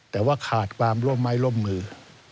แต่ว่าขาดความร่วมไม้ร่วมมือ